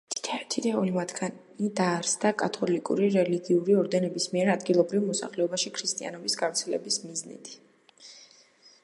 თითოეული მათგანი დაარსდა კათოლიკური რელიგიური ორდერების მიერ, ადგილობრივ მოსახლეობაში ქრისტიანობის გავრცელების მიზნით.